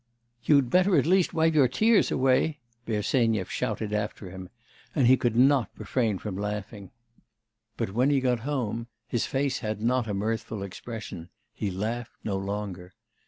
'You'd better at least wipe your tears away,' Bersenyev shouted after him, and he could not refrain from laughing. But when he got home, his face had not a mirthful expression; he laughed no longer.